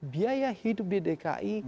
biaya hidup di dki